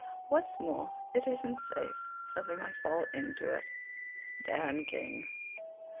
What's more, it isn't safe. Something might fall into it. DAN KING.